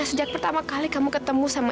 siapa yang suruh kamu bawa tas ayah